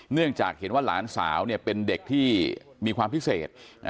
เนื่องจากเห็นว่าหลานสาวเป็นเด็กที่มีความพิเศษ